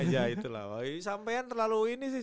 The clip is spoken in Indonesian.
ya itu lah sampean terlalu ini sih